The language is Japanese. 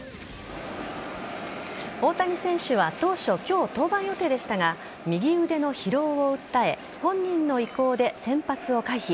大谷選手は当初今日、登板予定でしたが右腕の疲労を訴え本人の意向で先発を回避。